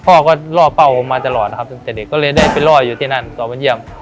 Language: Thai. พ่อก็ล่อเป้าผมมาตลอดนะครับตั้งแต่เด็กก็เลยได้ไปล่ออยู่ที่นั่นตอนไปเยี่ยม